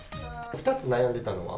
２つ悩んでたのは？